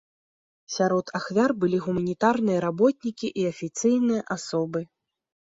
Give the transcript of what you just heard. Сярод ахвяр былі гуманітарныя работнікі і афіцыйныя асобы.